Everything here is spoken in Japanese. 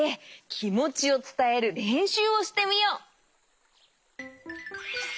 きもちをつたえるれんしゅうをしてみよう。